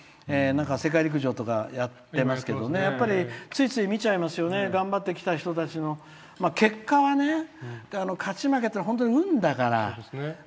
世界陸上とかやってますけどついつい見ちゃいますよね頑張ってきた人たちの結果はね、勝ち負けっていうのは本当に運だから。